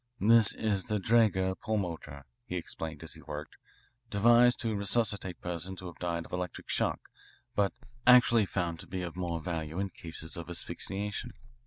"This is the Draeger pulmotor," he explained as he worked, "devised to resuscitate persons who have died of electric shock, but actually found to be of more value in cases of asphyxiation.